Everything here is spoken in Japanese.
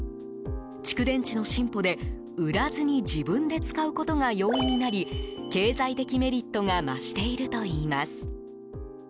蓄電池の進歩で、売らずに自分で使うことが容易になり経済的メリットが増しているといいます。